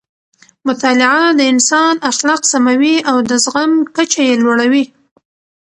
مطالعه د انسان اخلاق سموي او د زغم کچه یې لوړوي.